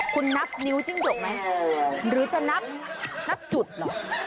คุณนับนิ้วจิ้งจกไหมหรือจะนับจุดเหรอ